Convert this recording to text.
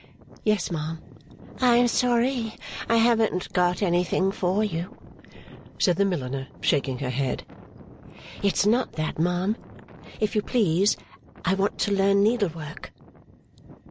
'Yes, ma'am.' 'I am sorry I haven't got anything for you,' said the milliner, shaking her head. 'It's not that, ma'am. If you please I want to learn needle work.